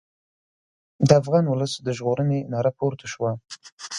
د افغان ولس د ژغورنې ناره پورته شوه.